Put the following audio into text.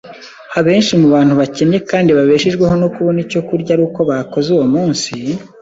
abenshi mu bantu bakennye kandi babeshejweho no kubona icyokurya ari uko bakoze uwo munsi,